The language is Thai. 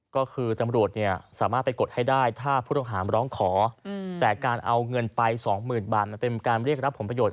ก็คือตำรวจสามารถไปกดให้ได้ถ้าผู้ต้องหามาร้องขอแต่การเอาเงินไป๒๐๐๐บาทมันเป็นการเรียกรับผลประโยชน